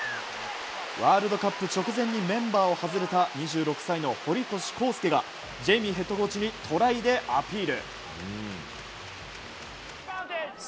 ワールドカップ直前にメンバーを外れた２６歳の堀越康介がヘッドコーチにトライでアピール。